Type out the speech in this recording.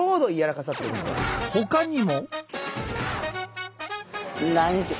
ほかにも。